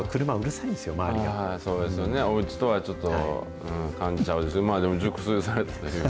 そうですよね、おうちとはちょっと感じは違う。